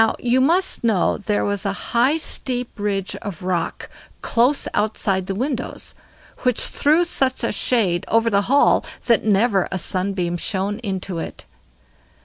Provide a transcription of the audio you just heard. Now, you must know there was a high steep ridge of rock close outside the windows, which threw such a shade over the hall that never a sunbeam shone into it.